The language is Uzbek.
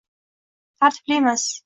tartibli emas